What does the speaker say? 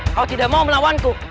kau tidak mau melawanku